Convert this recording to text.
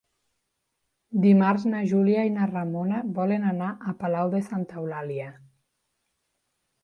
Dimarts na Júlia i na Ramona volen anar a Palau de Santa Eulàlia.